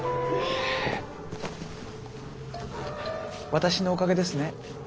私のおかげですね。